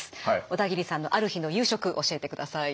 小田切さんのある日の夕食教えてください。